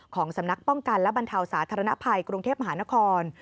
ของสำนักป้องกันและบรรเทาสาธารณภัยกรุงเทพมหานคร